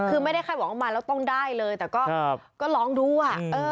คือไม่ได้คาดหวังว่ามาแล้วต้องได้เลยแต่ก็ลองดูอ่ะ